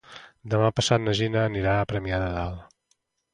Demà passat na Gina anirà a Premià de Dalt.